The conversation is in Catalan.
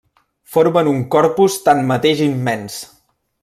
Formen un corpus tanmateix immens.